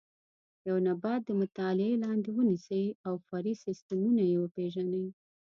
یو نبات د مطالعې لاندې ونیسئ او فرعي سیسټمونه یې وپېژنئ.